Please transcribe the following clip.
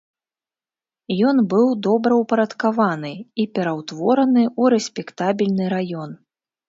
Ён быў добраўпарадкаваны і пераўтвораны ў рэспектабельны раён.